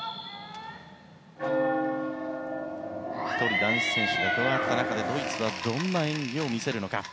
１人、男子選手がいる中でドイツはどんな演技を見せるのか。